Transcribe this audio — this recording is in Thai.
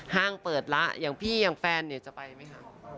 ห้างเปิดละอย่างพี่อย่างแฟนเนี่ยจะไปไหมคะ